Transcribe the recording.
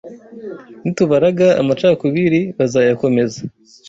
Nitubaraga amacakubiri bazayakomeza